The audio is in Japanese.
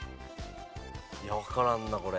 いやわからんなこれ。